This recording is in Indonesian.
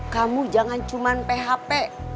kamu jangan cuman php